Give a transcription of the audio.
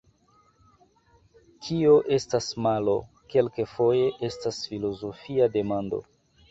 Kio estas malo, kelkfoje estas filozofia demando.